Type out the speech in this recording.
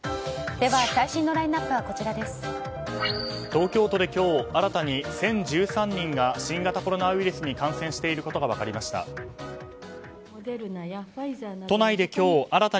東京都で今日新たに１０１３人が新型コロナウイルスに感染していることが分かりました。